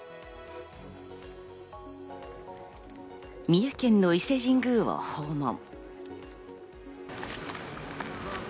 三重県の伊勢神宮を訪問。